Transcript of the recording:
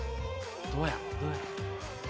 どうや。